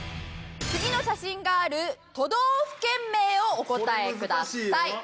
次の写真がある都道府県名をお答えください。